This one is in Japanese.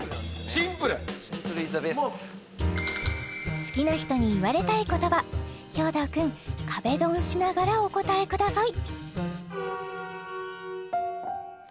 シンプルシンプル・イズ・ザ・ベスト好きな人に言われたい言葉兵頭くん壁ドンしながらお答えください